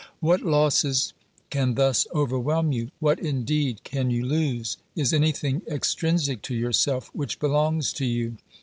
What losses can thus overwhelm you ? What indeed can you lose ? Is anything extrinsic to yourself which belongs to you?